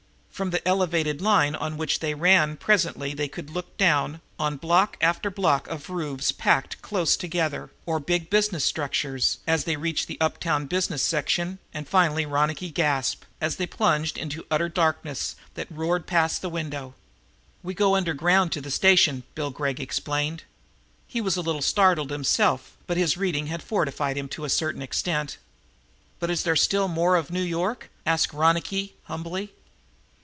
From the elevated line on which they ran presently they could look down on block after block of roofs packed close together, or big business structures, as they reached the uptown business sections, and finally Ronicky gasped, as they plunged into utter darkness that roared past the window. "We go underground to the station," Bill Gregg explained. He was a little startled himself, but his reading had fortified him to a certain extent. "But is there still some more of New York?" asked Ronicky humbly.